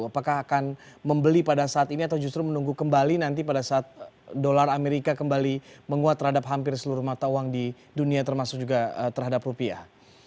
apakah akan membeli pada saat ini atau justru menunggu kembali nanti pada saat dolar amerika kembali menguat terhadap hampir seluruh mata uang di dunia termasuk juga terhadap rupiah